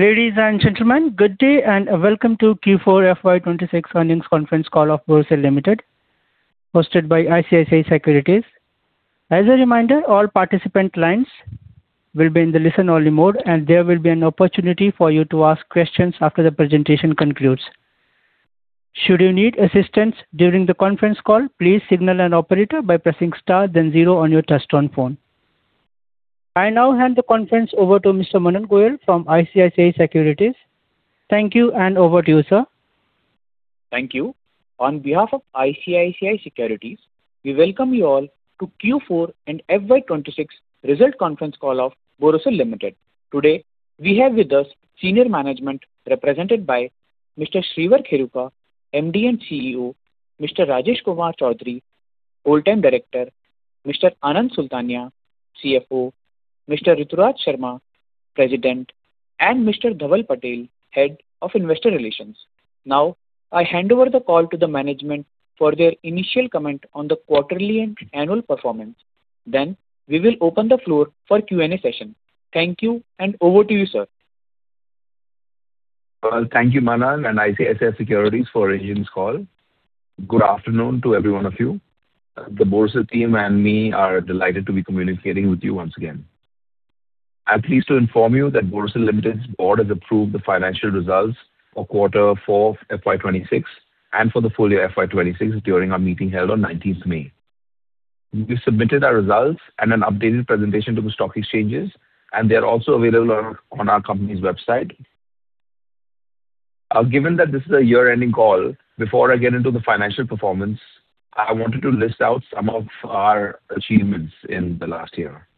Ladies and gentlemen, good day, and welcome to Q4 FY 2026 earnings conference call of Borosil Limited, hosted by ICICI Securities. As a reminder, all participant lines will be in the listen-only mode, and there will be an opportunity for you to ask questions after the presentation concludes. Should you need assistance during the conference call, please signal an operator by pressing star and then zero on your touch-tone phone. I now hand the conference over to Mr. Manan Goel from ICICI Securities. Thank you, and over to you, sir. Thank you. On behalf of ICICI Securities, we welcome you all to Q4 and FY26 results conference call of Borosil Limited. Today, we have with us senior management represented by Mr. Shreevar Kheruka, MD and CEO; Mr. Rajesh Kumar Chaudhary, Whole-time Director; Mr. Anand Sultania, CFO; Mr. Rituraj Sharma, President; and Mr. Dhaval Patel, Head of Investor Relations. Now, I hand over the call to the management for their initial comment on the quarterly and annual performance. We will open the floor for Q&A session. Thank you, and over to you, sir. Well, thank you, Manan and ICICI Securities, for arranging this call. Good afternoon to every one of you. The Borosil team and I are delighted to be communicating with you once again. I'm pleased to inform you that Borosil Limited's board has approved the financial results for Quarter Four FY2026 and for the full year FY2026 during our meeting held on 19th May. We submitted our results and an updated presentation to the stock exchanges, and they're also available on our company's website. Given that this is a year-ending call, before I get into the financial performance, I wanted to list out some of our achievements in the last year.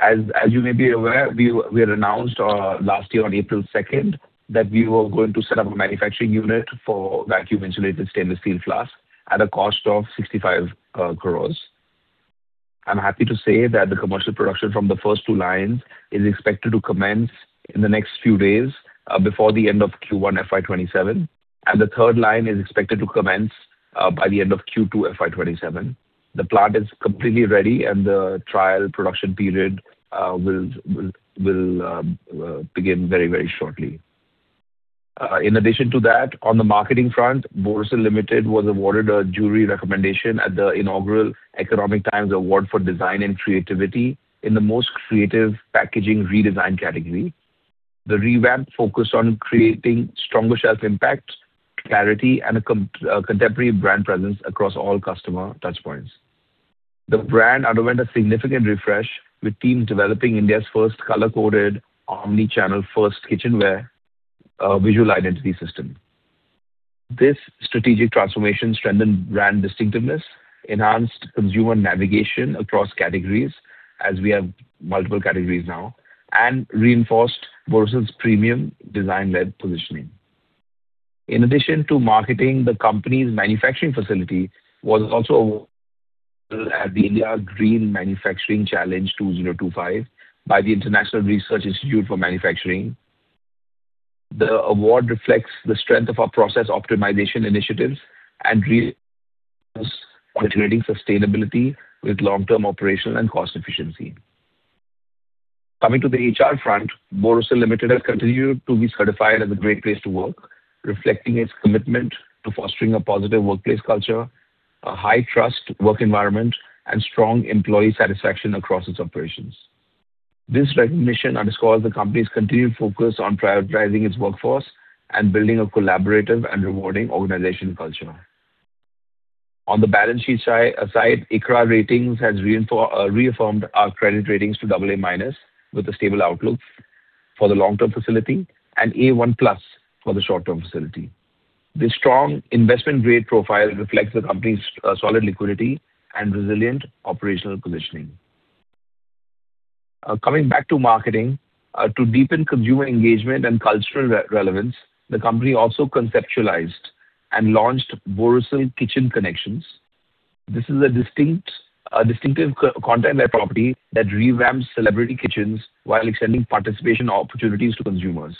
As you may be aware, we had announced last year on April 2nd that we were going to set up a manufacturing unit for vacuum-insulated stainless steel flasks at a cost of 65 crores. I'm happy to say that the commercial production from the first two lines is expected to commence in the next few days, before the end of Q1 FY 2027, and the third line is expected to commence by the end of Q2 FY 2027. The plant is completely ready, and the trial production period will begin very shortly. In addition to that, on the marketing front, Borosil Limited was awarded a jury recommendation at the inaugural Economic Times Award for Design and Creativity in the Most Creative Packaging Redesign category. The revamp focused on creating stronger shelf impact, clarity, and a contemporary brand presence across all customer touchpoints. The brand underwent a significant refresh, with teams developing India's first color-coded, omni-channel-first kitchenware visual identity system. This strategic transformation strengthened brand distinctiveness, enhanced consumer navigation across categories, as we have multiple categories now, and reinforced Borosil's premium design-led positioning. In addition to marketing, the company's manufacturing facility was also at the India Green Manufacturing Challenge 2025 by the International Research Institute for Manufacturing. The award reflects the strength of our process optimization initiatives and integrating sustainability with long-term operational and cost-efficiency. Coming to the HR front, Borosil Limited has continued to be certified as a Great Place to Work, reflecting its commitment to fostering a positive workplace culture, a high-trust work environment, and strong employee satisfaction across its operations. This recognition underscores the company's continued focus on prioritizing its workforce and building a collaborative and rewarding organizational culture. On the balance sheet side, ICRA Ratings has reaffirmed our credit ratings to AA- with a stable outlook for the long-term facility and A1+ for the short-term facility. This strong investment grade profile reflects the company's solid liquidity and resilient operational positioning. Coming back to marketing. To deepen consumer engagement and cultural relevance, the company also conceptualized and launched Borosil Kitchen Connection. This is a distinctive content-led property that revamps celebrity kitchens while extending participation opportunities to consumers.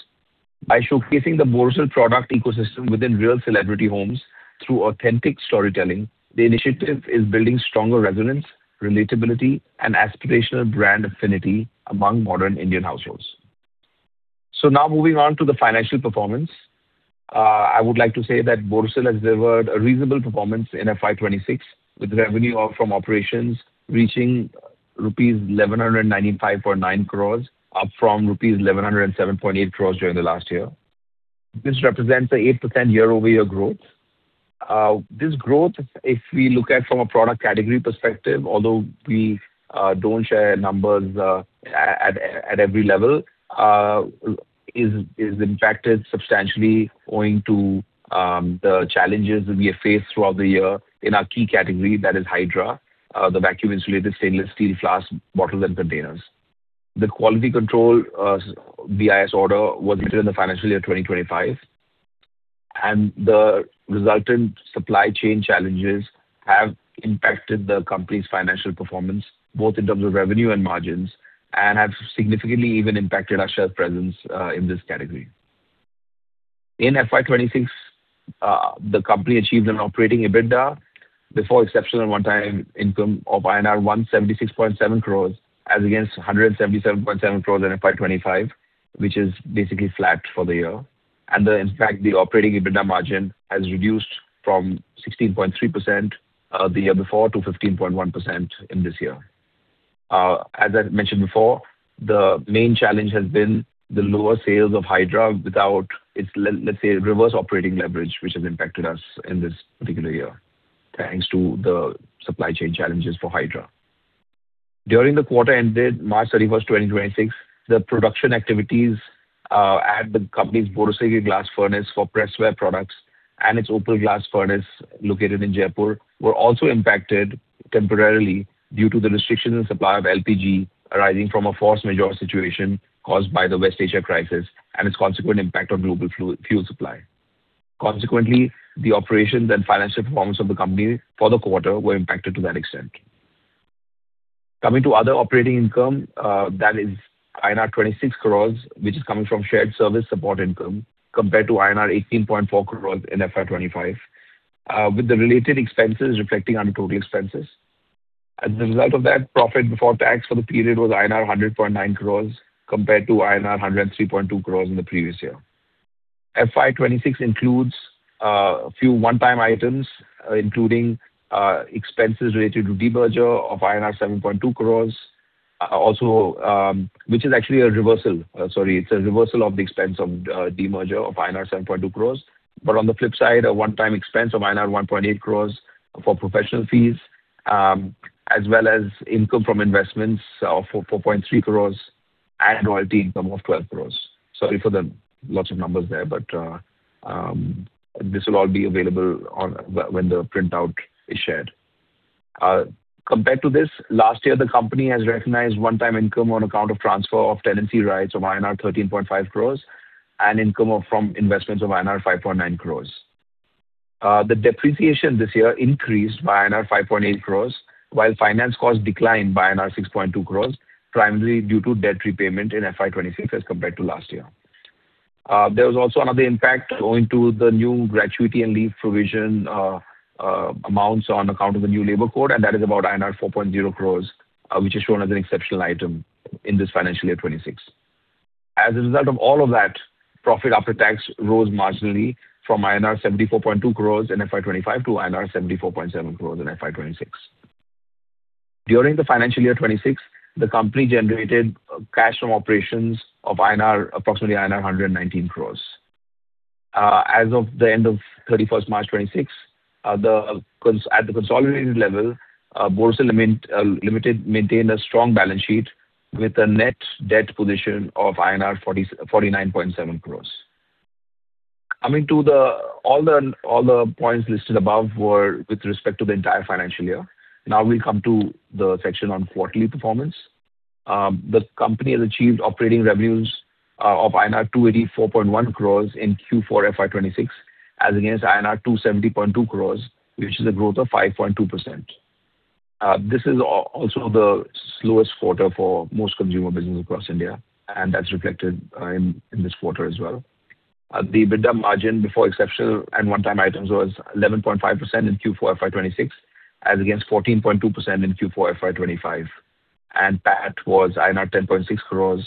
By showcasing the Borosil product ecosystem within real celebrity homes through authentic storytelling, the initiative is building stronger resonance, relatability, and aspirational brand affinity among modern Indian households. Now moving on to the financial performance. I would like to say that Borosil has delivered a reasonable performance in FY 2026, with revenue from operations reaching rupees 1,195.9 crore, up from rupees 1,107.8 crore during the last year. This represents an 8% year-over-year growth. This growth, if we look at it from a product category perspective, although we don't share numbers at every level, is impacted substantially owing to the challenges we have faced throughout the year in our key category, that is Hydra, the vacuum-insulated stainless steel flask, bottles, and containers. The quality control BIS order was issued in the financial year 2025, and the resultant supply chain challenges have impacted the company's financial performance, both in terms of revenue and margins, and have significantly even impacted our share presence in this category. In FY 2026, the company achieved an operating EBITDA before exceptional and one-time income of INR 176.7 crores as against 177.7 crores in FY 2025, which is basically flat for the year. In fact, the operating EBITDA margin has reduced from 16.3% the year before to 15.1% in this year. As I mentioned before, the main challenge has been the lower sales of Hydra without its, let's say, reverse operating leverage, which has impacted us in this particular year thanks to the supply chain challenges for Hydra. During the quarter ended March 31st, 2026, the production activities at the company's borosilicate glass furnace for pressware products and its opal glass furnace located in Jaipur were also impacted temporarily due to the restriction in supply of LPG arising from a force majeure situation caused by the West Asia crisis and its consequent impact on global fuel supply. The operations and financial performance of the company for the quarter were impacted to that extent. Coming to other operating income, that is INR 26 crores, which is coming from shared service support income compared to INR 18.4 crores in FY 2025, with the related expenses reflecting under total expenses. As a result of that, profit before tax for the period was INR 100.9 crores compared to INR 103.2 crores in the previous year. FY 2026 includes a few one-time items, including expenses related to the demerger of INR 7.2 crores, which is actually a reversal. Sorry, it's a reversal of the expense of the demerger of INR 7.2 crores. On the flip side, a one-time expense of INR 1.8 crores for professional fees as well as income from investments of 4.3 crores and royalty income of 12 crores. Sorry for the lots of numbers there. This will all be available when the printout is shared. Compared to this last year, the company has recognized one-time income on account of transfer of tenancy rights of INR 13.5 crores and income from investments of INR 5.9 crores. The depreciation this year increased by INR 5.8 crores while finance costs declined by INR 6.2 crores, primarily due to debt repayment in FY 2026 as compared to last year. There was also another impact owing to the new gratuity and leave provision amounts on account of the new labor code, and that is about INR 4.0 crore, which is shown as an exceptional item in this financial year 2026. As a result of all of that, profit after tax rose marginally from INR 74.2 crores in FY 2025 to INR 74.7 crores in FY 2026. During the financial year 2026, the company generated cash from operations of approximately INR 119 crores. As of the end of 31st March 2026, at the consolidated level, Borosil Limited maintained a strong balance sheet with a net debt position of 49.7 crore. Coming to all the points listed above were with respect to the entire financial year. We come to the section on quarterly performance. The company has achieved operating revenues of INR 284.1 crore in Q4 FY 2026 as against INR 270.2 crores, which is a growth of 5.2%. This is also the slowest quarter for most consumer businesses across India, and that's reflected in this quarter as well. The EBITDA margin before exceptional and one-time items was 11.5% in Q4 FY 2026 as against 14.2% in Q4 FY 2025, and PAT was INR 10.6 crores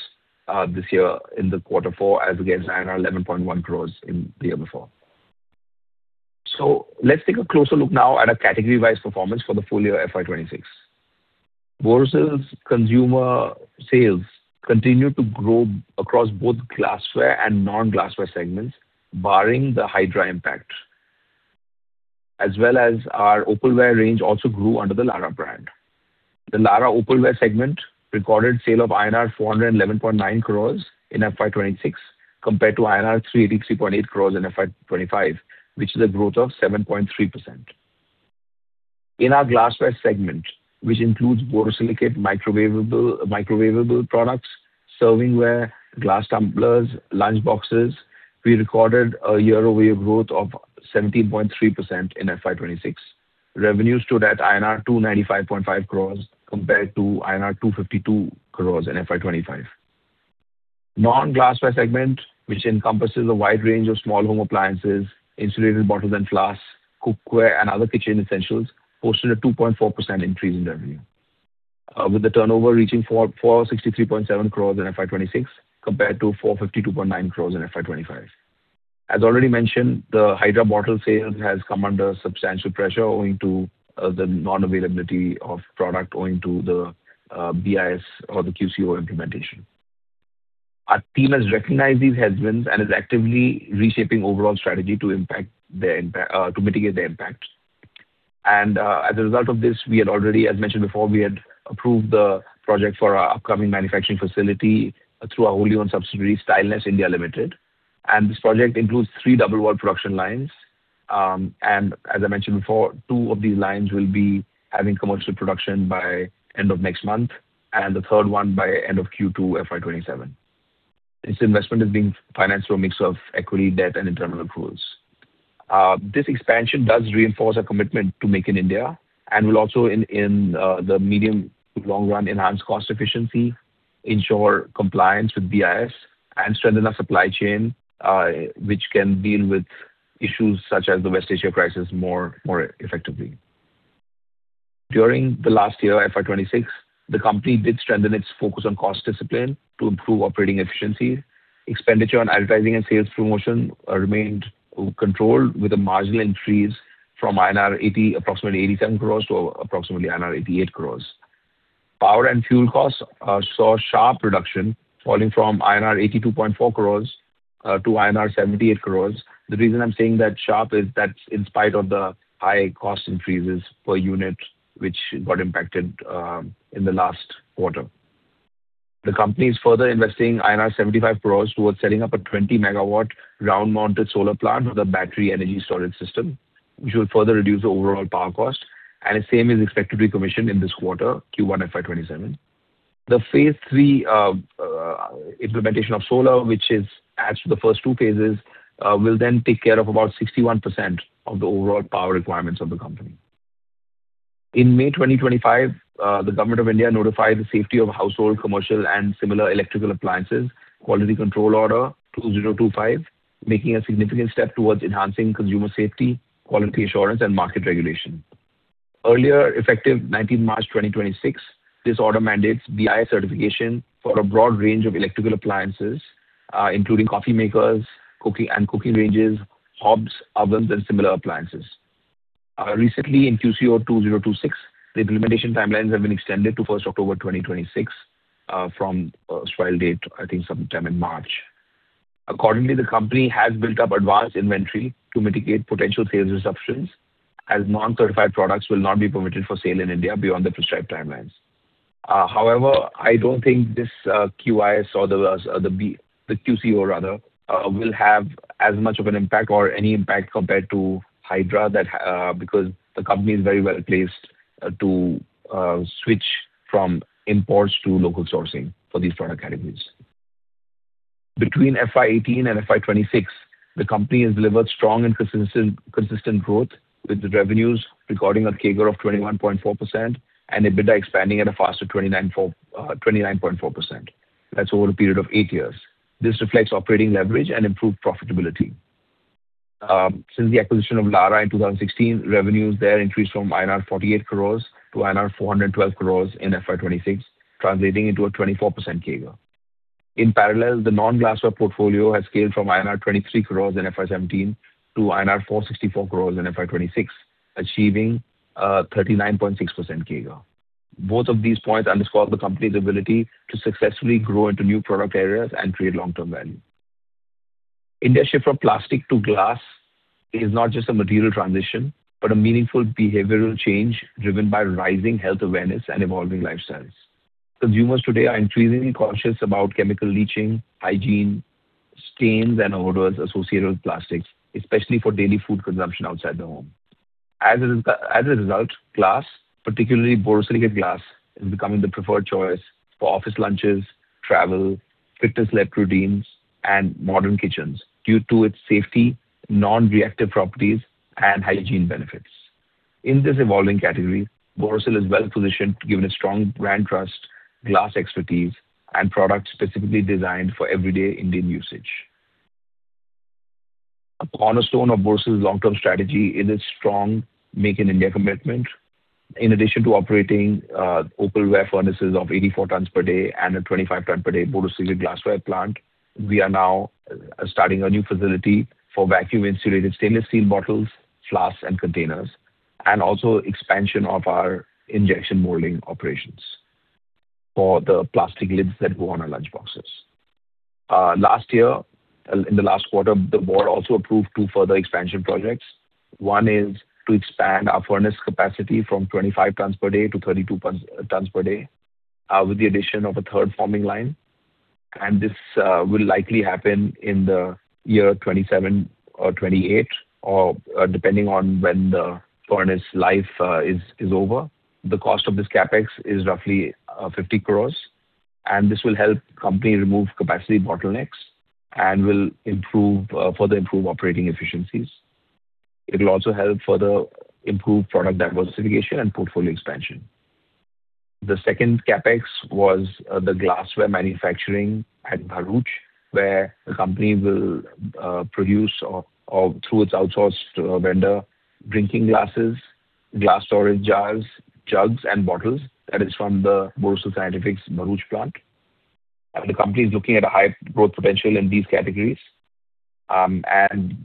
this year in the quarter four as against INR 11.1 crores in the year before. Let's take a closer look now at a category-wise performance for the full year FY 2026. Borosil's consumer sales continued to grow across both glassware and non-glassware segments, barring the Hydra impact, as well as our opalware range also grew under the Larah brand. The Larah opalware segment recorded sales of INR 411.9 crores in FY 2026 compared to INR 383.8 crores in FY 2025, which is a growth of 7.3%. In our glassware segment, which includes borosilicate, microwaveable products, serving ware, glass tumblers, lunchboxes, we recorded a year-over-year growth of 17.3% in FY 2026. Revenues stood at INR 295.5 crores compared to INR 252 crores in FY 2025. Non-glassware segment, which encompasses a wide range of small home appliances, insulated bottles and flasks, cookware, and other kitchen essentials, posted a 2.4% increase in revenue, with the turnover reaching 463.7 crores in FY 2026 compared to 452.9 crores in FY 2025. As already mentioned, the Hydra bottle sales has come under substantial pressure owing to the non-availability of product owing to the BIS or the QCO implementation. Our team has recognized these headwinds and is actively reshaping overall strategy to mitigate the impact. As a result of this, we had already, as mentioned before, we had approved the project for our upcoming manufacturing facility through our wholly owned subsidiary, Stylenest India Limited. This project includes three double wall production lines. As I mentioned before, two of these lines will be having commercial production by end of next month and the third one by end of Q2 FY 2027. This investment is being financed through a mix of equity, debt, and internal accruals. This expansion does reinforce our commitment to Make in India and will also, in the medium to long run, enhance cost efficiency, ensure compliance with BIS, and strengthen our supply chain, which can deal with issues such as the West Asia crisis more effectively. During the last year, FY 2026, the company did strengthen its focus on cost discipline to improve operating efficiency. Expenditure on advertising and sales promotion remained controlled with a marginal increase from INR 80 crores, approximately 87 crores to approximately INR 88 crores. Power and fuel costs saw a sharp reduction, falling from INR 82.4 crores to INR 78 crores. The reason I'm saying that sharp is that's in spite of the high cost increases per unit, which got impacted in the last quarter. The company is further investing INR 75 crore towards setting up a 20-megawatt ground-mounted solar plant with a battery energy storage system, which will further reduce the overall power cost. The same is expected to be commissioned in this quarter, Q1 FY 2027. The phase III implementation of solar, which adds to the first two phases, will take care of about 61% of the overall power requirements of the company. In May 2025, the Government of India notified the Safety of Household, Commercial, and Similar Electrical Appliances (Quality Control) Order, 2025, making a significant step towards enhancing consumer safety, quality assurance, and market regulation. Earlier effective 19 March 2026, this order mandates BIS certification for a broad range of electrical appliances, including coffee makers, and cooking ranges, hobs, ovens, and similar appliances. Recently in QCO 2026, the implementation timelines have been extended to 1st October 2026 from its trial date, I think sometime in March. Accordingly, the company has built up advanced inventory to mitigate potential sales disruptions, as non-certified products will not be permitted for sale in India beyond the prescribed timelines. I don't think this QIS or the QCO rather, will have as much of an impact, or any impact, compared to Hydra because the company is very well-placed to switch from imports to local sourcing for these product categories. Between FY 2018 and FY 2026, the company has delivered strong and consistent growth, with the revenues recording a CAGR of 21.4% and EBITDA expanding at a faster 29.4%. That's over a period of eight years. This reflects operating leverage and improved profitability. Since the acquisition of Larah in 2016, revenues there increased from INR 48 crores to INR 412 crores in FY 2026, translating into a 24% CAGR. In parallel, the non-glassware portfolio has scaled from INR 23 crores in FY 2017 to INR 464 crores in FY 2026, achieving a 39.6% CAGR. Both of these points underscore the company's ability to successfully grow into new product areas and create long-term value. India's shift from plastic to glass is not just a material transition but a meaningful behavioral change driven by rising health awareness and evolving lifestyles. Consumers today are increasingly conscious about chemical leaching, hygiene, stains, and odors associated with plastics, especially for daily food consumption outside the home. As a result, glass, particularly borosilicate glass, is becoming the preferred choice for office lunches, travel, fitness-led routines, and modern kitchens due to its safety, non-reactive properties, and hygiene benefits. In this evolving category, Borosil is well-positioned given its strong brand trust, glass expertise, and products specifically designed for everyday Indian usage. A cornerstone of Borosil's long-term strategy is its strong Make in India commitment. In addition to operating opalware furnaces of 84 tons per day and a 25-ton-per-day borosilicate glassware plant, we are now starting a new facility for vacuum-insulated stainless steel bottles, flasks, and containers and also expansion of our injection molding operations for the plastic lids that go on our lunchboxes. Last year, in the last quarter, the board also approved two further expansion projects. One is to expand our furnace capacity from 25 tons per day to 32 tons per day with the addition of a third forming line. This will likely happen in the year 2027 or 2028, or depending on when the furnace life is over. The cost of this CapEx is roughly 50 crores. This will help company remove capacity bottlenecks and will further improve operating efficiencies. It'll also help further improve product diversification and portfolio expansion. The second CapEx was the glassware manufacturing at Bharuch, where the company will produce through its outsourced vendor drinking glasses, glass storage jars, jugs, and bottles. That is from the Borosil Scientific's Bharuch plant. The company is looking at a high growth potential in these categories.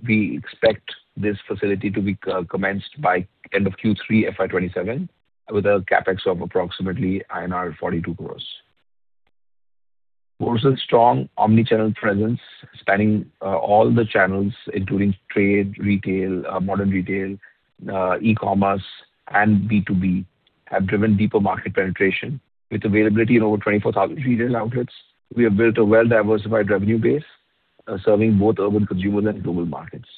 We expect this facility to be commenced by the end of Q3 FY 2027 with a CapEx of approximately INR 42 crores. Borosil's strong omni-channel presence spanning all the channels, including trade, retail, modern retail, e-commerce, and B2B, have driven deeper market penetration with availability in over 24,000 retail outlets. We have built a well-diversified revenue base serving both urban consumers and global markets.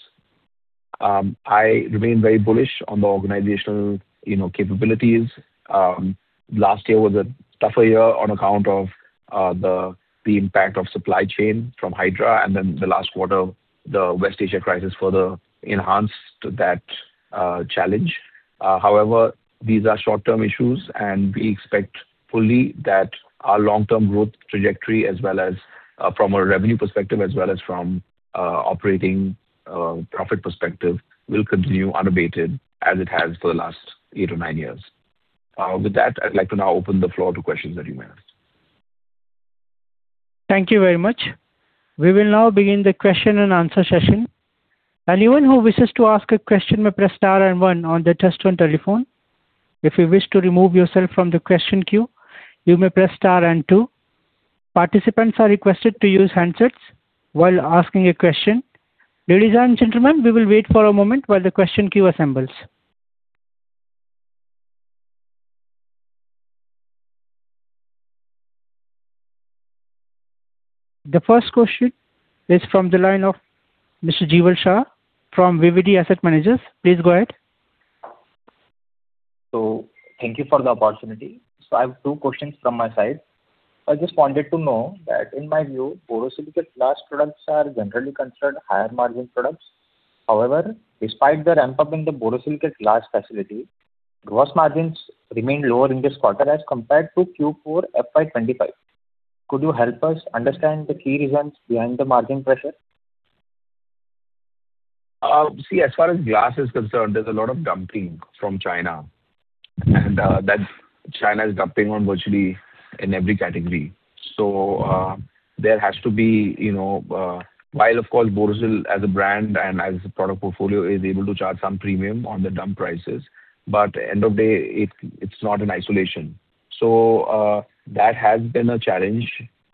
I remain very bullish on the organizational capabilities. Last year was a tougher year on account of the impact of supply chain from Hydra, and then the last quarter, the West Asia crisis further enhanced that challenge. These are short-term issues, and we expect fully that our long-term growth trajectory as well as from a revenue perspective as well as from operating profit perspective, will continue unabated as it has for the last eight or nine years. With that, I'd like to now open the floor to questions that you may ask. Thank you very much. We will now begin the question and answer session. The first question is from the line of Mr. Jeeval Shah from VVD Asset Managers. Please go ahead. Thank you for the opportunity. I have two questions from my side. I just wanted to know that in my view, borosilicate glass products are generally considered higher-margin products. However, despite the ramp-up in the borosilicate glass facility, gross margins remain lower in this quarter as compared to Q4 FY 2025. Could you help us understand the key reasons behind the margin pressure? As far as glass is concerned, there's a lot of dumping from China, and China is dumping on virtually in every category. While, of course, Borosil as a brand and as a product portfolio is able to charge some premium on the dump prices, but at the end of the day, it's not in isolation. That has been a challenge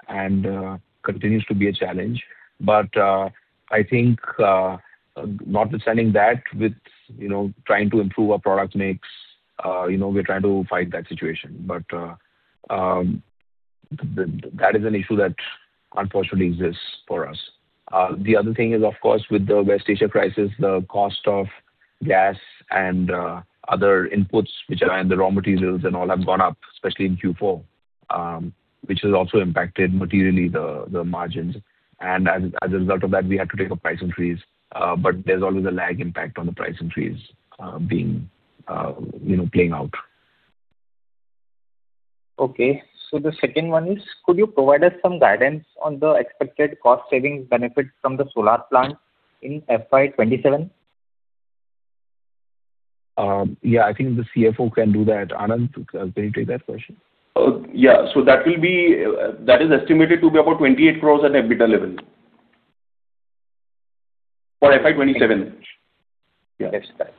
and continues to be a challenge. I think, notwithstanding that, with trying to improve our product mix, we're trying to fight that situation, but that is an issue that unfortunately exists for us. The other thing is, of course, with the West Asia crisis, the cost of gas and other inputs, which are the raw materials and all have gone up, especially in Q4, which has also impacted materially the margins. As a result of that, we had to take a price increase. There’s always a lag impact on the price increase playing out. Okay. The second one is, could you provide us some guidance on the expected cost-saving benefits from the solar plant in FY 2027? I think the CFO can do that. Anand, can you take that question? That is estimated to be about 28 crores at EBITDA level for FY 2027. That's right.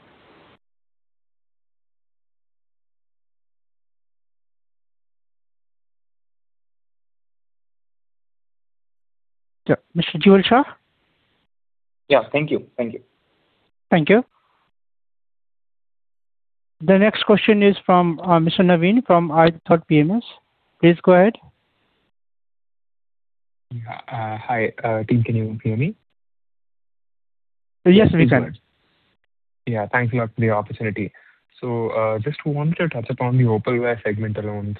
Mr. Jeeval Shah. Thank you. Thank you. The next question is from Mr. Naveen from ITUS Capital. Please go ahead. Hi, team, can you hear me? Yes, we can. Thanks a lot for the opportunity. Just wanted to touch upon the opalware segment alone.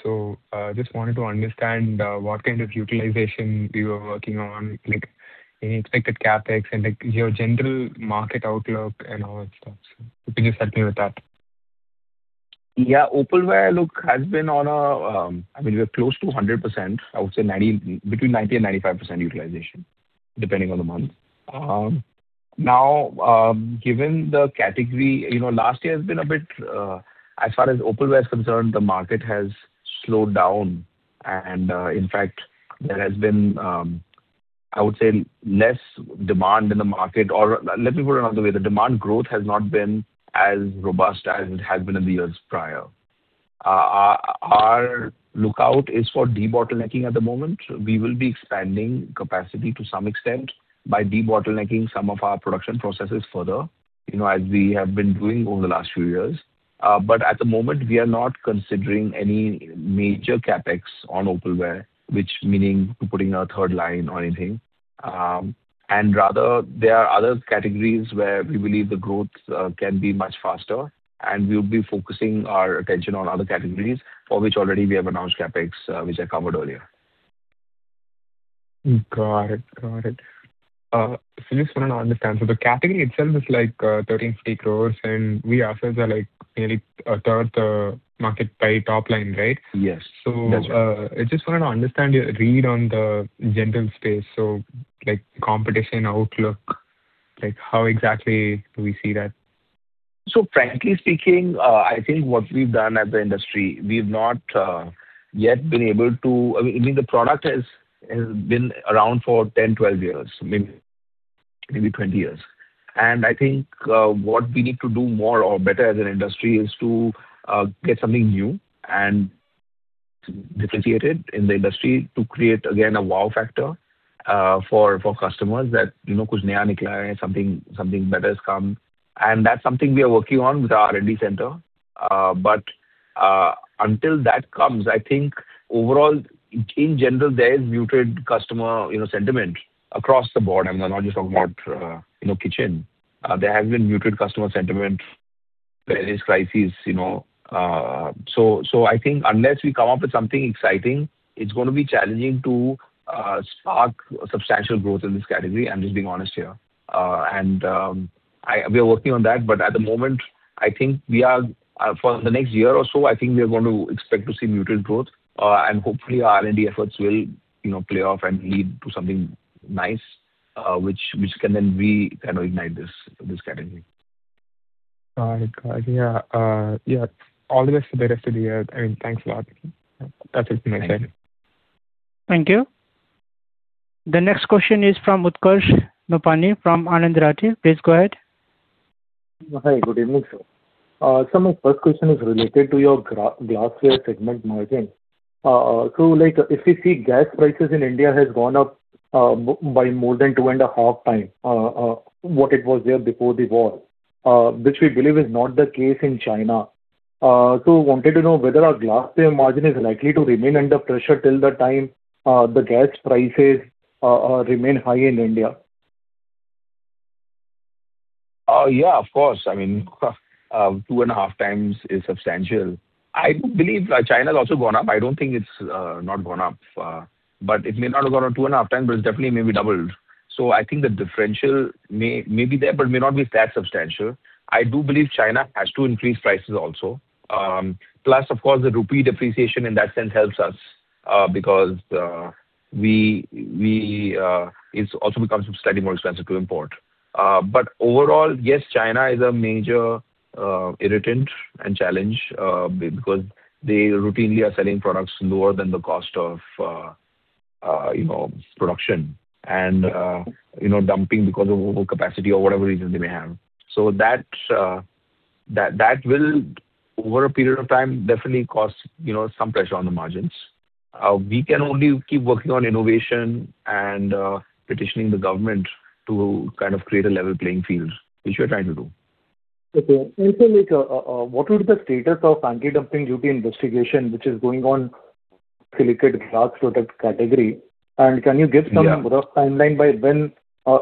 Just wanted to understand what kind of utilization you are working on, like any expected CapEx and your general market outlook and all that stuff. Could you just help me with that? Opalware look has been on a-- We're close to 100%; I would say between 90% and 95% utilization, depending on the month. Now, given the category, last year has been a bit; as far as opalware is concerned, the market has slowed down. In fact, there has been, I would say, less demand in the market, or, let me put it another way, the demand growth has not been as robust as it has been in the years prior. Our lookout is for debottlenecking at the moment. We will be expanding capacity to some extent by debottlenecking some of our production processes further, as we have been doing over the last few years. At the moment, we are not considering any major CapEx on opalware, which meaning to putting a third line or anything. Rather, there are other categories where we believe the growth can be much faster, and we'll be focusing our attention on other categories for which already we have announced CapEx, which I covered earlier. Got it. Just wanted to understand. The category itself is like 1,350 crores, and we ourselves are nearly a third of the market by top line, right? Yes. That's right. I just wanted to understand your read on the general space. Competition outlook: How exactly do we see that? Frankly speaking, I think what we've done as an industry, the product has been around for 10, 12 years, maybe 20 years. I think what we need to do more or better as an industry is to get something new and differentiated in the industry to create, again, a wow factor for customers that something better has come. That's something we are working on with our R&D center. Until that comes, I think overall, in general, there is muted customer sentiment across the board. I'm not just talking about kitchen. There has been muted customer sentiment. There is crisis. I think unless we come up with something exciting, it's going to be challenging to spark substantial growth in this category. I'm just being honest here. We are working on that. At the moment, for the next year or so, I think we are going to expect to see muted growth. Hopefully our R&D efforts will play off and lead to something nice, which can then re-ignite this category. Got it. Yeah. All the best for the rest of the year. Thanks a lot. That's it from my side. Thank you. Thank you. The next question is from Utkarsh Nopany from Anand Rathi. Please go ahead. Hi. Good evening, sir. Sir, my first question is related to your glassware segment margin. If we see gas prices in India has gone up by more than 2.5 times what it was there before the war, which we believe is not the case in China. Wanted to know whether our glassware margin is likely to remain under pressure till the time the gas prices remain high in India. Of course. I mean, two and a half times is substantial. I do believe China's also gone up. I don't think it's not gone up. It may not have gone up two and a half times, but it's definitely maybe doubled. I think the differential may be there but may not be that substantial. I do believe China has to increase prices also. Of course, the rupee depreciation in that sense helps us, because it also becomes slightly more expensive to import. Overall, yes, China is a major irritant and challenge because they routinely are selling products lower than the cost of production and dumping because of overcapacity or whatever reason they may have. That will over a period of time, definitely cause some pressure on the margins. We can only keep working on innovation and petitioning the government to create a level playing field, which we are trying to do. Okay. sir, what would the status of anti-dumping duty investigation, which is going on silicate glass product category? Rough timeline by when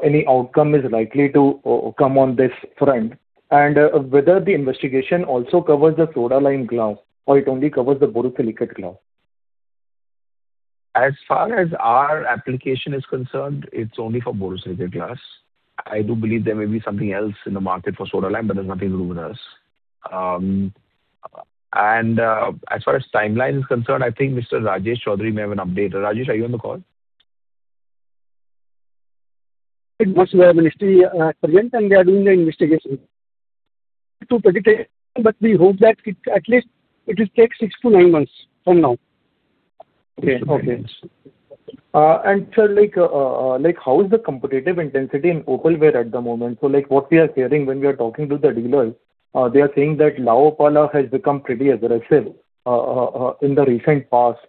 any outcome is likely to come on this front? Whether the investigation also cover the soda-lime glass or it only covers the borosilicate glass? As far as our application is concerned, it's only for borosilicate glass. I do believe there may be something else in the market for soda-lime glass. There's nothing to do with us. As far as timeline is concerned, I think Mr. Rajesh Kumar Chaudhary may have an update. Rajesh, are you on the call? It was the ministry at present, and they are doing their investigation. We hope that at least it will take six to nine months from now. Okay. Sir, how is the competitive intensity in opalware at the moment? What we are hearing when we are talking to the dealers: they are saying that La Opala has become pretty aggressive in the recent past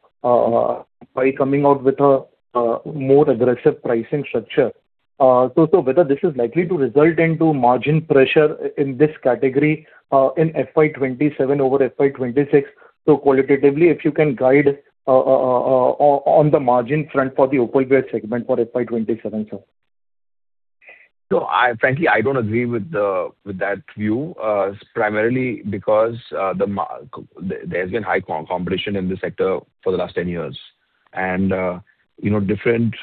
by coming out with a more aggressive pricing structure. Whether this is likely to result into margin pressure in this category in FY 2027 over FY 2026. Qualitatively, if you can guide on the margin front for the opalware segment for FY 2027, sir. Frankly, I don't agree with that view, primarily because there's been high competition in this sector for the last 10 years. Different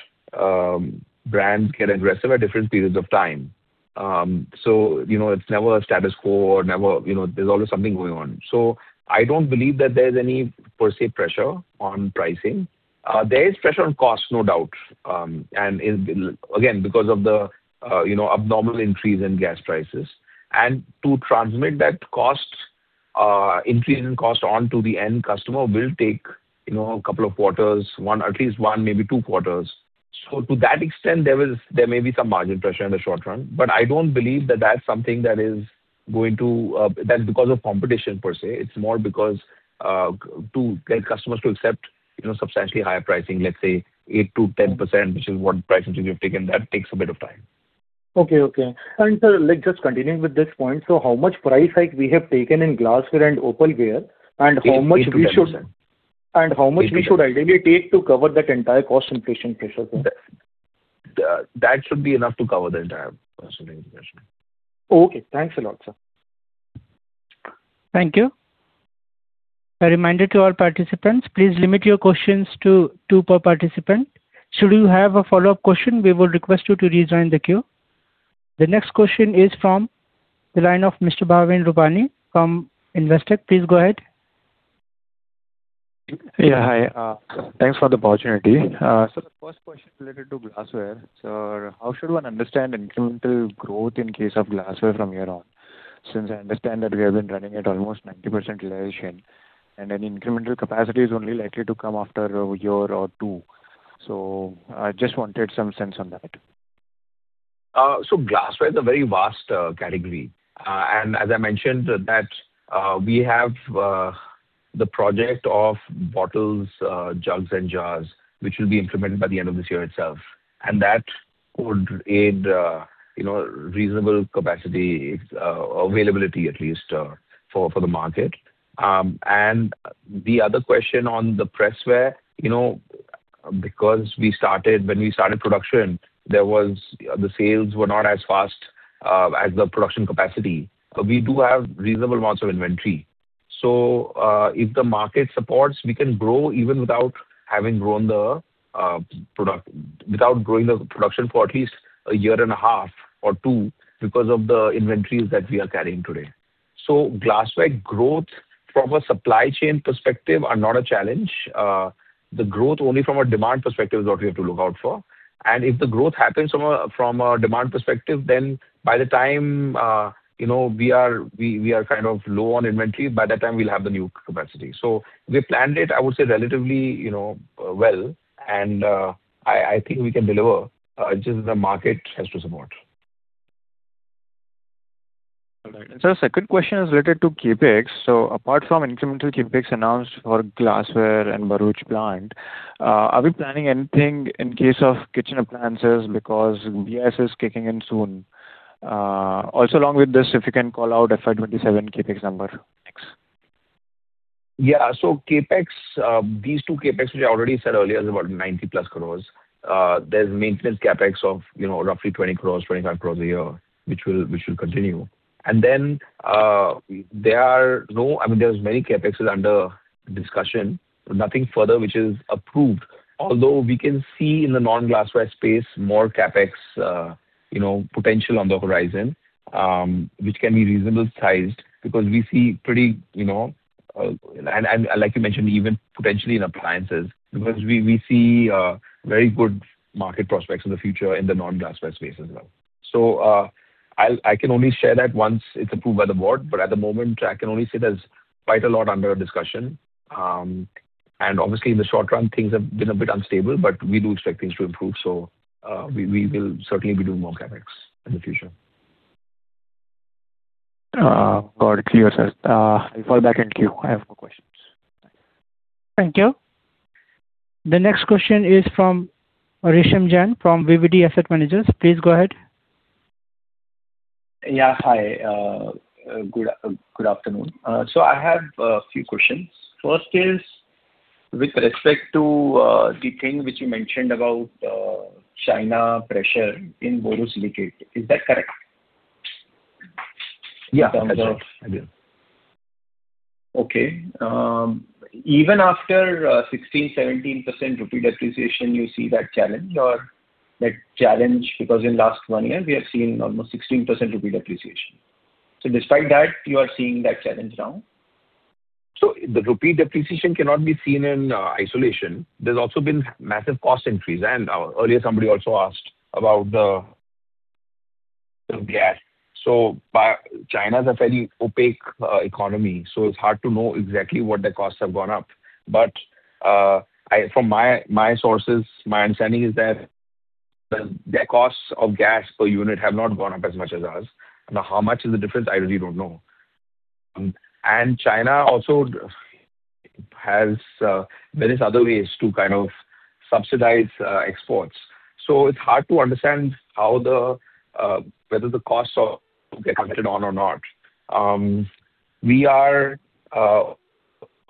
brands get aggressive at different periods of time. It's never a status quo, or there's always something going on. I don't believe that there's any per se pressure on pricing. There is pressure on cost, no doubt, and again, because of the abnormal increase in gas prices. To transmit that increase in cost on to the end customer will take a couple of quarters, at least one, maybe two quarters. To that extent, there may be some margin pressure in the short run. I don't believe that that's something that is because of competition per se. It's more because to get customers to accept substantially higher pricing, let's say 8%-10%, which is what price increase we have taken, that takes a bit of time. Okay. Sir, just continuing with this point, so how much price hike we have taken in glassware and opalware and how much we should—? 8%-10% How much we should ideally take to cover that entire cost inflation pressure point? That should be enough to cover the entire cost inflation pressure. Okay. Thanks a lot, sir. Thank you. A reminder to all participants, please limit your questions to two per participant. Should you have a follow-up question, we will request you to rejoin the queue. The next question is from the line of Mr. Bhavin Rupani from Investec. Please go ahead. Hi. Thanks for the opportunity. The first question related to glassware. Sir, how should one understand incremental growth in case of glassware from here on? Since I understand that we have been running at almost 90% utilization and an incremental capacity is only likely to come after a year or two. I just wanted some sense on that. Glassware is a very vast category. As I mentioned that we have the project of bottles, jugs, and jars, which will be implemented by the end of this year itself, and that would aid reasonable capacity availability at least for the market. The other question on the pressware, you know, because when we started production, the sales were not as fast as the production capacity. We do have reasonable amounts of inventory. If the market supports, we can grow even without growing the production for at least a year and a half or two because of the inventories that we are carrying today. Glassware growth from a supply chain perspective are not a challenge. The growth only from a demand perspective is what we have to look out for. If the growth happens from a demand perspective, then by the time we are kind of low on inventory, by that time, we'll have the new capacity. We've planned it, I would say, relatively well. I think we can deliver; just the market has to support. All right. Sir, second question is related to CapEx. Apart from incremental CapEx announced for glassware and the Bharuch plant, are we planning anything in case of kitchen appliances because BIS is kicking in soon? Along with this, if you can call out the FY 2027 CapEx number. Thanks. These two CapEx, which I already said earlier, is about 90+ crores. There's maintenance CapEx of roughly 20 crores, 25 crores a year, which will continue. Then there's many CapEx under discussion, nothing further which is approved. Although we can see in the non-glassware space, more CapEx potential on the horizon, which can be reasonably sized because we see pretty And like you mentioned, even potentially in appliances, because we see very good market prospects in the future in the non-glassware space as well. I can only share that once it's approved by the board, but at the moment, I can only say there's quite a lot under discussion. Obviously, in the short run, things have been a bit unstable, but we do expect things to improve, so we will certainly be doing more CapEx in the future. Got it. Clear, sir. I fall back in queue. I have no questions. Thank you. The next question is from Resham Jain from VVD Asset Managers. Please go ahead. Hi. Good afternoon. I have a few questions. First is with respect to the thing which you mentioned about China pressure in borosilicate. Is that correct? Yeah. I do. Okay. Even after 16, 17% rupee depreciation, you see that challenge? In the last one year, we have seen almost 16% rupee depreciation. Despite that, you are seeing that challenge now? The rupee depreciation cannot be seen in isolation. There's also been a massive cost increase. Earlier somebody also asked about the gas. China is a fairly opaque economy, so it's hard to know exactly what their costs have gone up. But from my sources, my understanding is that their costs of gas per unit have not gone up as much as ours. How much is the difference? I really don't know. China also has various other ways to kind of subsidize exports. It's hard to understand whether the costs get counted on or not.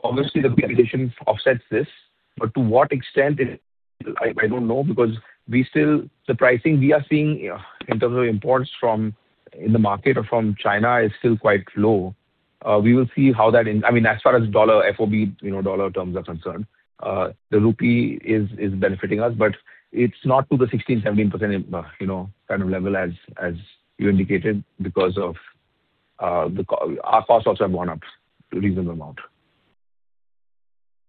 Obviously, the rupee depreciation offsets this, but to what extent, I don't know because the pricing we are seeing in terms of imports in the market or from China is still quite low. We will see how that As far as FOB dollar terms are concerned, the rupee is benefiting us, but it's not to the 16, 17% kind of level as you indicated because our costs also have gone up to a reasonable amount.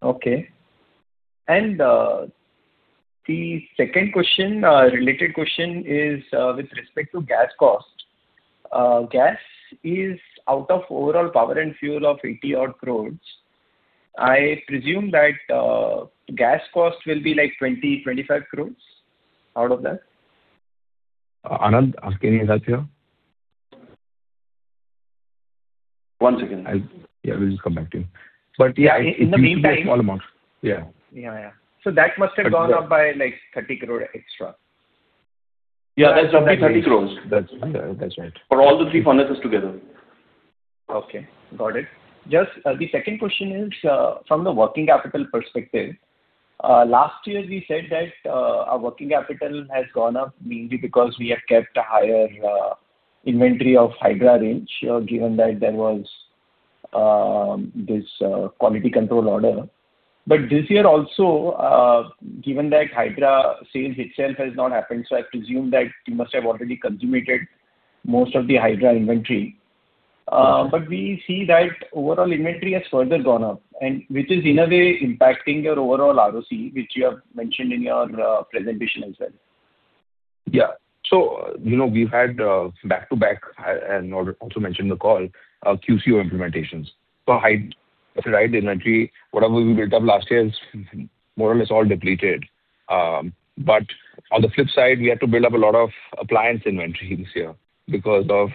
Okay. The second question, related question, is with respect to gas cost. Gas is out of overall power and fuel of 80 odd crores. I presume that gas costs will be like 20-25 crores out of that. Anand, can you help here? One second. Yeah, we'll just come back to you. It needs to be a small amount. Yeah. That must have gone up by like 30 crore extra. Yeah. That's roughly 30 crores. That's right. For all the three furnaces together. Okay. Got it. The second question is from the working capital perspective. Last year we said that our working capital has gone up mainly because we have kept a higher inventory of Hydra range given that there was this quality control order. This year also, given that Hydra sales itself has not happened, so I presume that you must have already consummated most of the Hydra inventory. We see that overall inventory has further gone up, and which is in a way impacting your overall ROCE, which you have mentioned in your presentation as well. We've had back-to-back and also mentioned the call, QCO implementations. Hydra inventory, whatever we built up last year, is more or less all depleted. On the flip side, we had to build up a lot of appliance inventory this year because of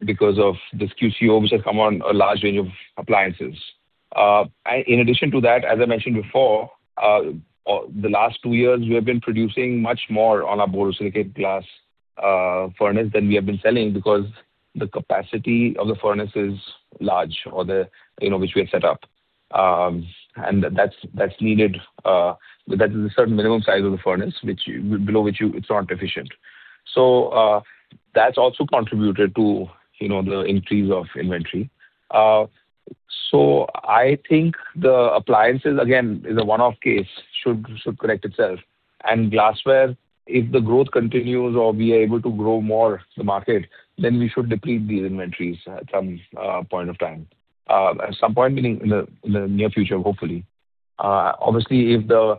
these QCOs have come on a large range of appliances. In addition to that, as I mentioned before, the last two years we have been producing much more on our borosilicate glass furnace than we have been selling because the capacity of the furnace is large, which we have set up. That's needed, because there's a certain minimum size of the furnace, below which it's not efficient. That's also contributed to the increase of inventory. I think the appliances, again, is a one-off case, should correct itself. Glassware, if the growth continues or we are able to grow more the market, then we should deplete these inventories at some point of time. At some point, meaning in the near future, hopefully. Obviously, if the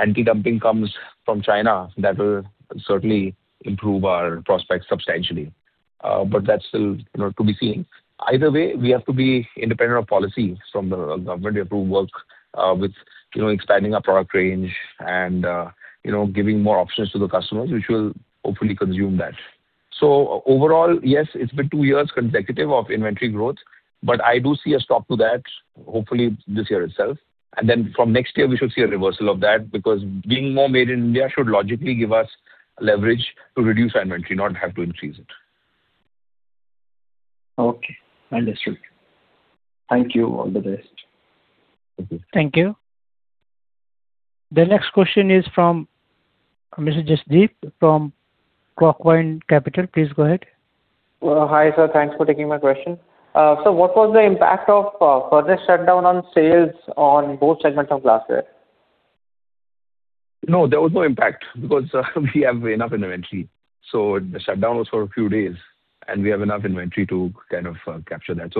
anti-dumping comes from China, that will certainly improve our prospects substantially. That's still to be seen. Either way, we have to be independent of policy from the government. We have to work with expanding our product range and giving more options to the customers, which will hopefully consume that. Overall, yes, it's been two years consecutive of inventory growth, but I do see a stop to that, hopefully this year itself. Then from next year, we should see a reversal of that, because being more Make in India should logically give us leverage to reduce inventory, not have to increase it. Okay, understood. Thank you. All the best. Thank you. Thank you. The next question is from Mr. Jasdeep from Clockvine Capital. Please go ahead. Hi, sir. Thanks for taking my question. Sir, what was the impact of furnace shutdown on sales on both segments of glassware? No, there was no impact because we have enough inventory. The shutdown was for a few days, and we have enough inventory to kind of capture that.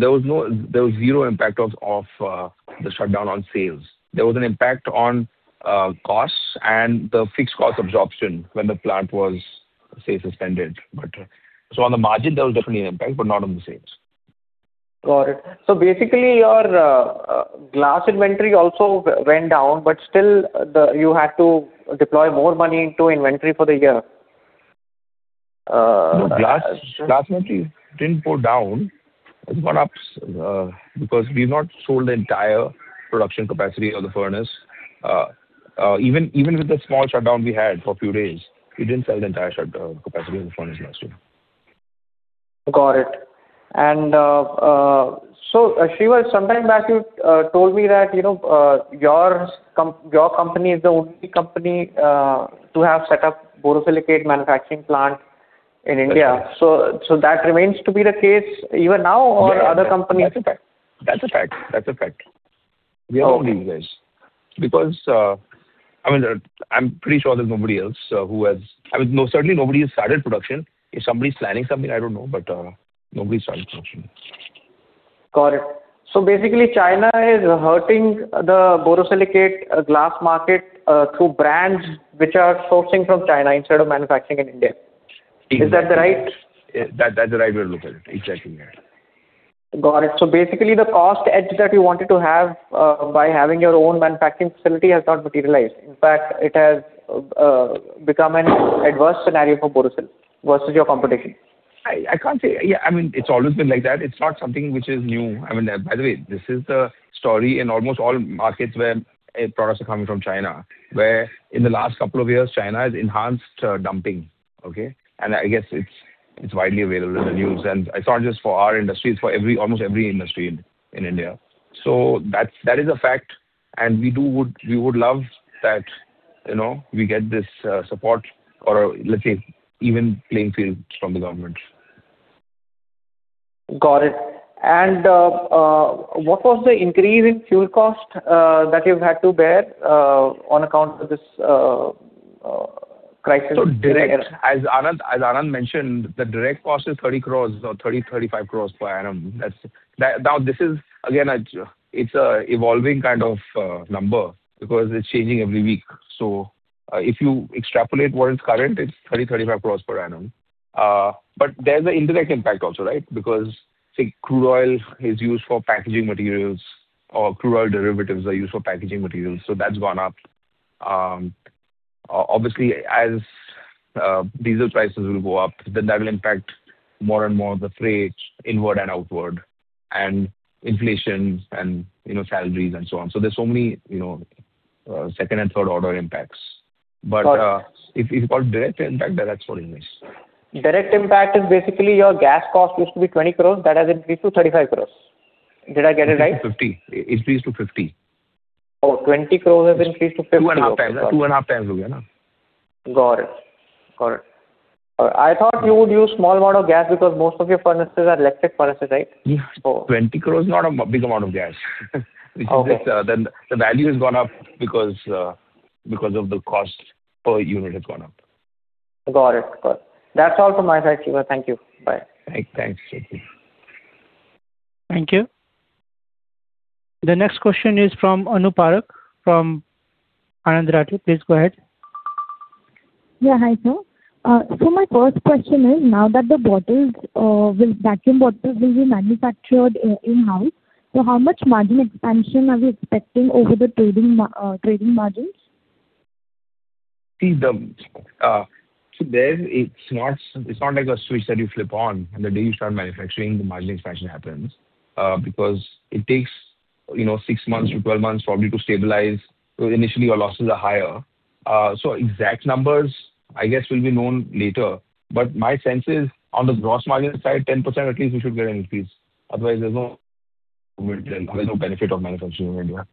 There was zero impact of the shutdown on sales. There was an impact on costs and the fixed cost absorption when the plant was, say, suspended. On the margin, there was definitely an impact, but not on the sales. Got it. Basically, your glass inventory also went down, but still, you had to deploy more money into inventory for the year. No, glass inventory didn't go down. It went up because we've not sold the entire production capacity of the furnace. Even with the small shutdown we had for a few days, we didn't sell the entire capacity of the furnace last year. Got it. Shreevar Kheruka, sometime back you told me that your company is the only company to have set up borosilicate manufacturing plant in India. That's right. That remains to be the case even now or other companies. That's a fact. We are the only guys. I'm pretty sure there's nobody else. Certainly, nobody has started production. If somebody's planning something, I don't know; nobody's started production. Got it. Basically, China is hurting the borosilicate glass market through brands which are sourcing from China instead of manufacturing in India. Exactly. Is that right? That's the right way to look at it. Exactly, yeah. Got it. Basically, the cost edge that you wanted to have by having your own manufacturing facility has not materialized. In fact, it has become an adverse scenario for Borosil versus your competition. I can't say. It's always been like that. It's not something which is new. By the way, this is the story in almost all markets where products are coming from China, where in the last couple of years, China has enhanced dumping. Okay. I guess it's widely available in the news, and it's not just for our industry; it's for almost every industry in India. That is a fact, and we would love that we get this support, or let's say, even playing field from the government. Got it. What was the increase in fuel cost that you've had to bear on account of this crisis? As Anand mentioned, the direct cost is 30 crores or 30-35 crores per annum. Now, this is, again, it's a evolving kind of number because it's changing every week. If you extrapolate what is current, it's 30-35 crores per annum. There's an indirect impact also, right? Because, say, crude oil is used for packaging materials, or crude oil derivatives are used for packaging materials, so that's gone up. Obviously, as diesel prices will go up, then that will impact more and more of the freight inward and outward and inflation and salaries and so on. There's so many second and third-order impacts. If you call direct impact, then that's what it is. Direct impact is basically your gas cost used to be 20 crores, that has increased to 35 crores. Did I get it right? It increased to 50. Oh, 20 crore has increased to 50 crore. Two and a half times. Got it. I thought you would use small amount of gas because most of your furnaces are electric furnaces, right? 20 crores is not a big amount of gas. Okay. The value has gone up because of the cost per unit has gone up. Got it. That's all from my side, Shreevar. Thank you. Bye. Thanks, Jasdeep. Thank you. The next question is from Anup Rathi from Anand Rathi. Please go ahead. Hi, sir. My first question is, now that the vacuum bottles will be manufactured in-house, so how much margin expansion are we expecting over the trading margins? See, there it's not like a switch that you flip on, and the day you start manufacturing, the margin expansion happens. It takes six months to 12 months probably to stabilize. Initially, our losses are higher. Exact numbers, I guess, will be known later. My sense is on the gross margin side, 10% at least; we should get an increase; otherwise there's no benefit of manufacturing in India.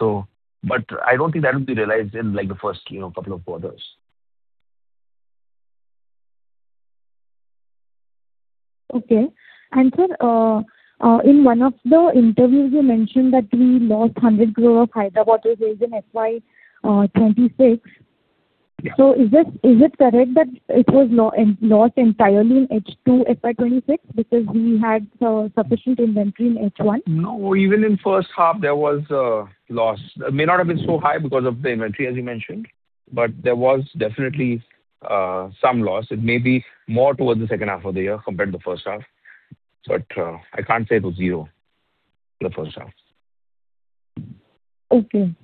I don't think that will be realized in the first couple of quarters. Okay. sir, in one of the interviews, you mentioned that we lost 100 crore of Hyderabad sales in FY 2026. Yeah. Is it correct that it was lost entirely in H2 FY 2026 because we had sufficient inventory in H1? No, even in first half there was a loss. It may not have been so high because of the inventory, as you mentioned, but there was definitely some loss. I can't say it was zero for the first half. Okay.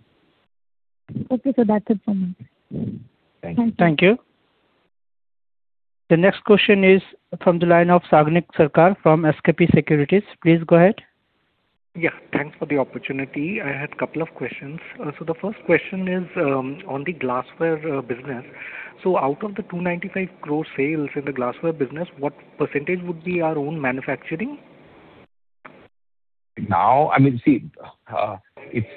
Okay, sir. That's it from me. Thank you. Thank you. The next question is from the line of Sagnik Sarkar from SKP Securities. Please go ahead. Thanks for the opportunity. I have a couple of questions. The first question is on the glassware business. Out of the 295 crore sales in the glassware business, what percentage would be our own manufacturing? Now, if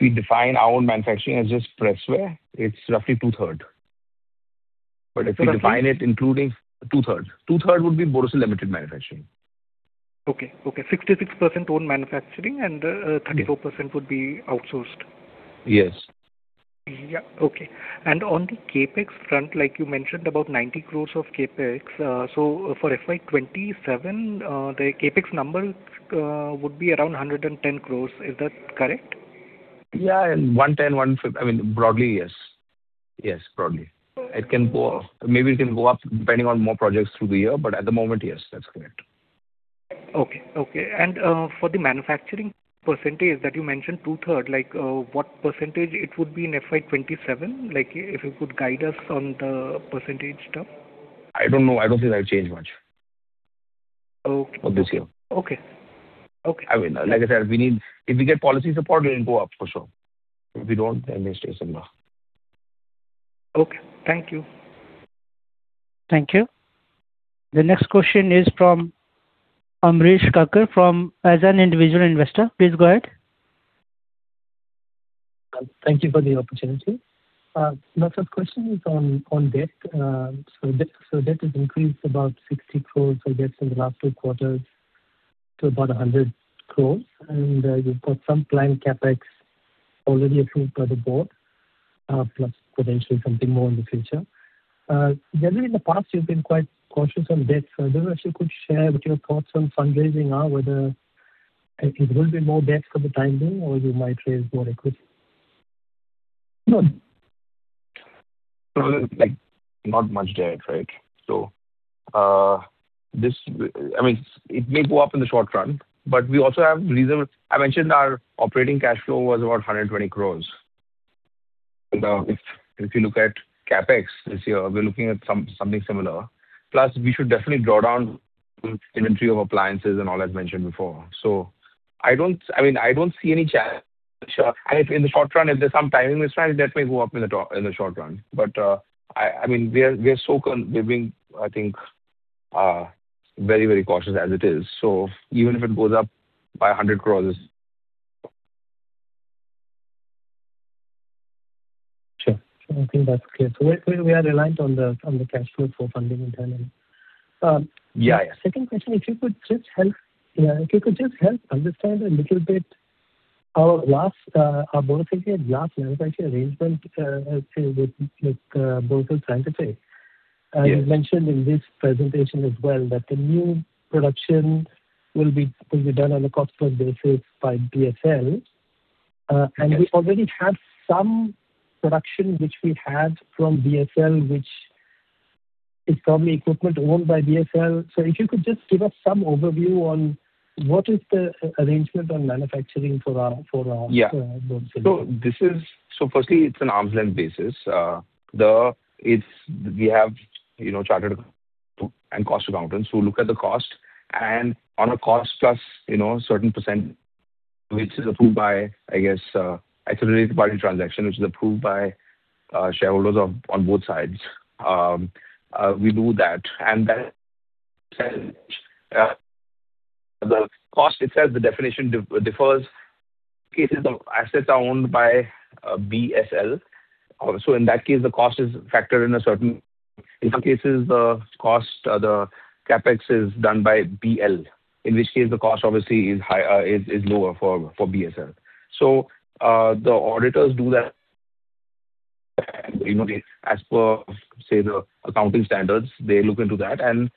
we define our own manufacturing as just pressware, it's roughly two-third. Roughly? Two-third. Two-thirds would be Borosil Limited manufacturing. Okay. 66% own manufacturing, and 34% would be outsourced. Yes. Yeah. Okay. On the CapEx front, like you mentioned, about 90 crores of CapEx. For FY 2027, the CapEx number would be around 110 crores. Is that correct? Yeah, 110, 115. Broadly, yes. Maybe it can go up depending on more projects through the year, but at the moment, yes, that's correct. Okay. For the manufacturing percentage that you mentioned, two-third, what percentage it would be in FY 2027? If you could guide us on the percentage terms. I don't know. I don't think that'll change much. Okay This year. Okay. Like I said, if we get policy support, it'll go up for sure. If we don't, then it stays similar. Okay. Thank you. Thank you. The next question is from as an individual investor. Please go ahead. Thank you for the opportunity. My question is on debt. Debt has increased about 60 crores, I guess, in the last two quarters to about 100 crores, and you've got some planned CapEx already approved by the board, plus potentially something more in the future. Generally, in the past you've been quite cautious on debt, so I don't know if you could share what your thoughts on fundraising are, whether it will be more debt for the time being or you might raise more equity. Not much debt. It may go up in the short run, but we also have, I mentioned our operating cash flow was about 120 crore. If you look at CapEx this year, we're looking at something similar. We should definitely draw down inventory of appliances and all as mentioned before. I don't see any, and if in the short run, if there's some timing mismatch, debt may go up in the short run. We've been, I think, very cautious as it is. Even if it goes up by 100 crore. Sure. I think that's clear. We are reliant on the cash flow for funding entirely. Yeah. Second question, if you could just help understand a little bit our Borosil Glass manufacturing arrangement with Borosil Scientific? Yes. You mentioned in this presentation as well that the new production will be done on a cost-plus basis by BSL. Yes. We already have some production, which we had from BSL, which is probably equipment owned by BSL. If you could just give us some overview on what is the arrangement on manufacturing for our. Yeah Borosil. Firstly, it's an arm's length basis. We have chartered and cost accountants who look at the cost and on a cost plus a certain percent, which is approved by, I guess, it's a related party transaction, which is approved by shareholders on both sides. We do that, and then the cost itself, the definition, differs. Cases of assets are owned by BSL. In that case, the cost is factored in a certain. In some cases, the CapEx is done by BL, in which case, the cost obviously is lower for BSL. The auditors do that as per, say, the accounting standards. They look into that and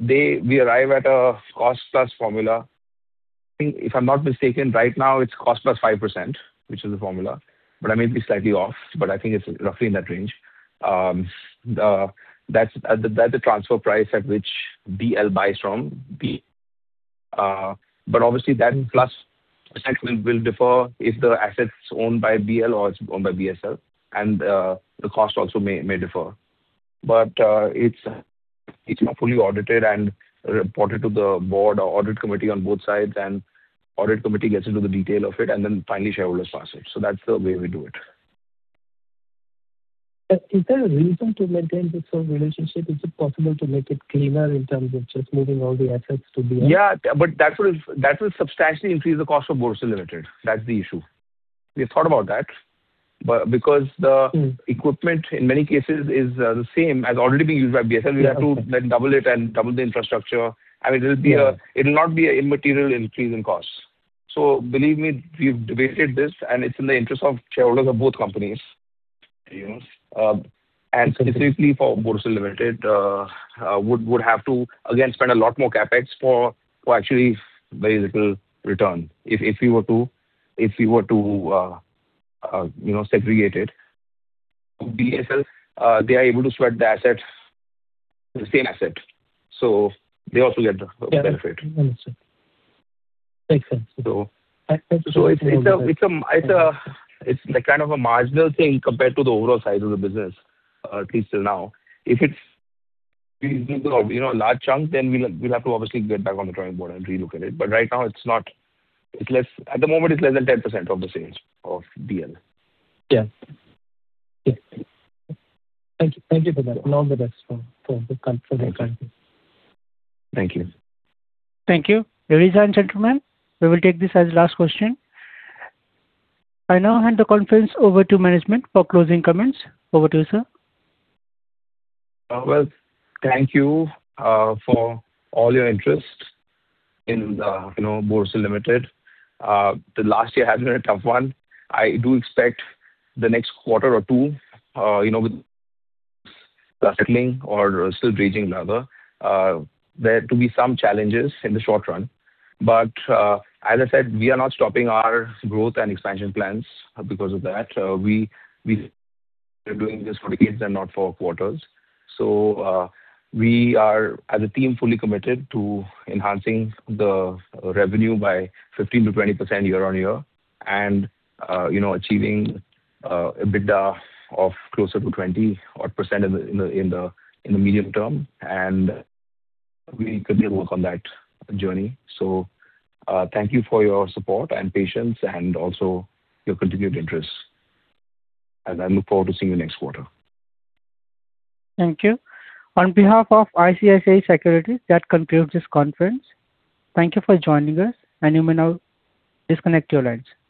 we arrive at a cost-plus formula. I think if I'm not mistaken, right now it's cost plus 5%, which is the formula, but I may be slightly off, but I think it's roughly in that range. That's the transfer price at which BL buys from B. Obviously that plus will differ if the asset's owned by BL or it's owned by BSL, and the cost also may differ. It's not fully audited and reported to the board or audit committee on both sides, and audit committee gets into the detail of it, and then finally shareholders pass it. That's the way we do it. Is there a reason to maintain this sort of relationship? Is it possible to make it cleaner in terms of just moving all the assets to BSL? Yeah, that will substantially increase the cost of Borosil Limited. That's the issue. We have thought about that. Because the equipment in many cases is the same as already being used by BSL, we have to then double it and double the infrastructure, and it'll not be an immaterial increase in costs. Believe me, we've debated this, and it's in the interest of shareholders of both companies. Yes. Specifically for Borosil Limited, would have to again spend a lot more CapEx for actually return if we were to segregate it. BSL, they are able to sweat the asset, the same asset. They also get the benefit. Understood. Makes sense. It's like kind of a marginal thing compared to the overall size of the business, at least till now. If it's a large chunk, we'll have to obviously get back on the drawing board and relook at it. Right now, at the moment, it's less than 10% of the sales of BL. Yeah. Thank you for that. All the best for the company. Thank you. Thank you, ladies and gentlemen. We will take this as the last question. I now hand the conference over to management for closing comments. Over to you, sir. Well, thank you for all your interest in Borosil Limited. The last year has been a tough one. I do expect the next quarter or two, with the settling or still dredging lava, there to be some challenges in the short run. As I said, we are not stopping our growth and expansion plans because of that. We are doing this for decades and not for quarters. We are, as a team, fully committed to enhancing the revenue by 15%-20% year-on-year and achieving EBITDA of closer to 20-odd % in the medium term, and we continue to work on that journey. Thank you for your support and patience and also your continued interest, and I look forward to seeing you next quarter. Thank you. On behalf of ICICI Securities, that concludes this conference. Thank you for joining us, and you may now disconnect your lines. Thank you.